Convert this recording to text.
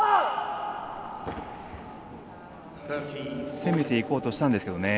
攻めていこうとしたんですけどね。